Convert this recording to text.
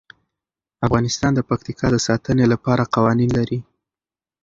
افغانستان د پکتیکا د ساتنې لپاره قوانین لري.